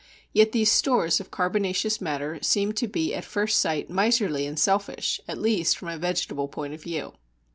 Yet these stores of carbonaceous matter seem to be at first sight miserly and selfish, at least from a vegetable point of view.